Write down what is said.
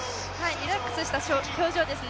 リラックスした表情ですね。